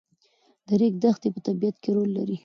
د ریګ دښتې په طبیعت کې رول لري.